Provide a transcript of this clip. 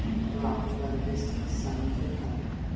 Her operetta was to be sung to another.